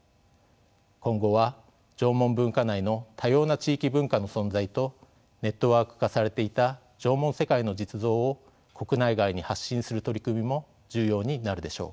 今後は縄文文化内の多様な地域文化の存在とネットワーク化されていた縄文世界の実像を国内外に発信する取り組みも重要になるでしょう。